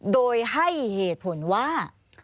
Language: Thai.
โดยให้เหตุผลว่า